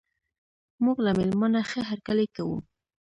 موږ له میلمانه ښه هرکلی کوو.